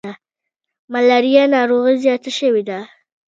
ملاریا ناروغي زیاته شوي ده.